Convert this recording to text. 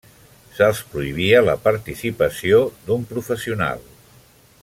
Se'ls prohibia la participació d'un professional.